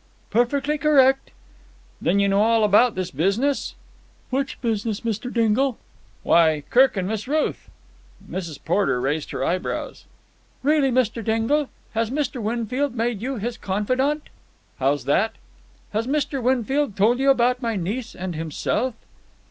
"Perfectly correct." "Then you know all about this business?" "Which business, Mr. Dingle?" "Why, Kirk and Miss Ruth." Mrs. Porter raised her eyebrows. "Really, Mr. Dingle! Has Mr. Winfield made you his confidant?" "How's that?" "Has Mr. Winfield told you about my niece and himself?"